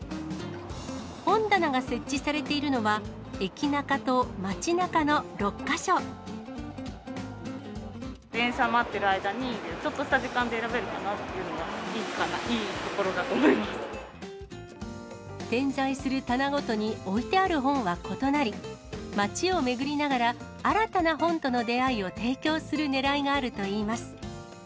本棚が設置されているのは、電車待ってる間に、ちょっとした時間で選べるかなっていうのが、いいところだと思い点在する棚ごとに置いてある本は異なり、街を巡りながら、新たな本との出会いを提供するねらいがあるといいます。